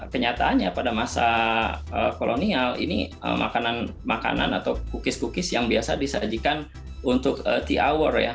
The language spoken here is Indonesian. kenyataannya pada masa kolonial ini makanan makanan atau cookis cookis yang biasa disajikan untuk tea hour ya